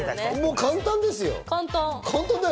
簡単ですよ。